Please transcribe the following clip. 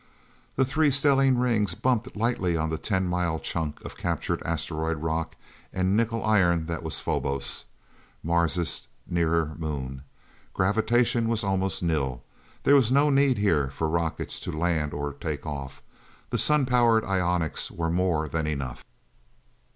The three stellene rings bumped lightly on the ten mile chunk of captured asteroidal rock and nickel iron that was Phobos, Mars' nearer moon. Gravitation was almost nil. There was no need, here, for rockets, to land or take off. The sun powered ionics were more than enough.